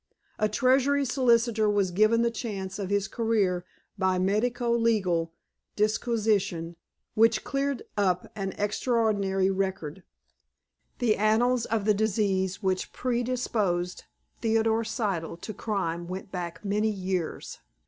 A Treasury solicitor was given the chance of his career by the medico legal disquisition which cleared up an extraordinary record. The annals of the disease which predisposed Theodore Siddle to crime went back many years.